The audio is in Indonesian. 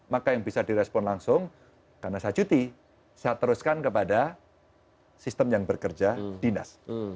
maka yang bisa direspon langsung karena saya cuti saya teruskan kepada sistem yang bekerja dinas